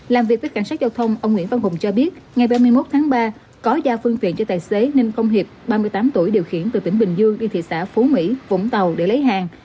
làm việc với cảnh sát giao thông ông nguyễn văn hùng cho biết ngày ba mươi một tháng ba có giao phương tiện cho tài xế ninh công hiệp ba mươi tám tuổi điều khiển từ tỉnh bình dương đi thị xã phú mỹ vũng tàu để lấy hàng